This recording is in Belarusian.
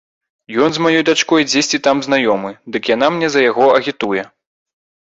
Ён з маёй дачкой дзесьці там знаёмы, дык яна мяне за яго агітуе.